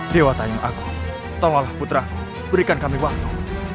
dewa tayang aku tolonglah putramu berikan kami waktu